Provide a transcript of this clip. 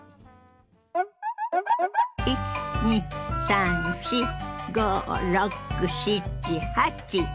１２３４５６７８。